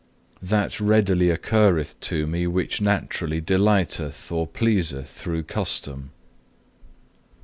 That readily occurreth to me, which naturally delighteth, or pleaseth through custom.